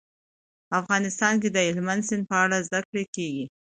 افغانستان کې د هلمند سیند په اړه زده کړه کېږي.